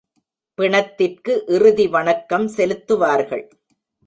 பிணத்திற்கு இறுதி வணக்கம் செலுத்துவார்கள்.